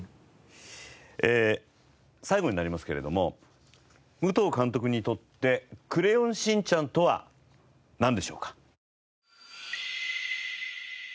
えー最後になりますけれどもムトウ監督にとって『クレヨンしんちゃん』とはなんでしょうか？